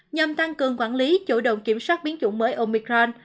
nhằm tăng cường quản lý chủ động kiểm soát biến chủng mới omicron